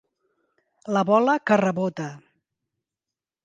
La bola que rebota.